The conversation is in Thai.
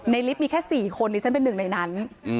ลิฟต์มีแค่๔คนที่ฉันเป็นหนึ่งในนั้น